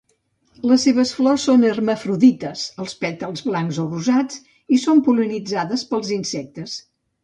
Les seves flors són hermafrodites, els pètals blancs o rosats i són pol·linitzades pels insectes.